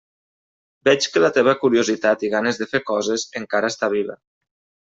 Veig que la teva curiositat i ganes de fer coses encara està viva.